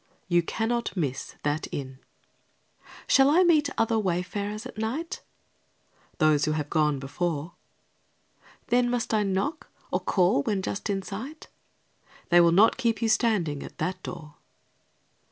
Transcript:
You cannot miss that inn. Shall I meet other wayfarers at night? Those who have gone before. Then must I knock, or call when just in sight? They will not keep you standing at that door.